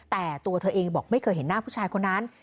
แต่ตัวเธอเองบอกไม่เคยเห็นหน้าผู้ชายคนนั้น